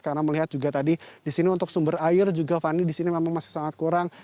karena melihat juga tadi di sini untuk sumber air juga fani di sini memang masih sangat kurang